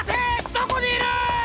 どこにいる！？